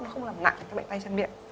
nó không làm nặng cái bệnh tay chân miệng